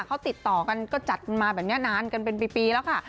เขาติดต่อกันก็จัดกันมาแบบนี้นานกันเป็นปีแล้วค่ะ